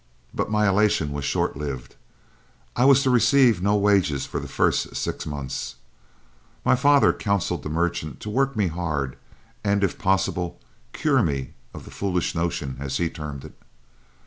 But my elation was short lived. I was to receive no wages for the first six months. My father counseled the merchant to work me hard, and, if possible, cure me of the "foolish notion," as he termed it.